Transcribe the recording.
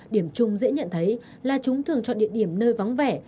điểm chung dễ nhận thấy là chúng thường chọn địa điểm nơi vắng vẻ